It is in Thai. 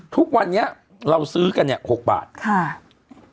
ทุกวันนี้เราซื้อกันเนี่ย๖บาทค่ะ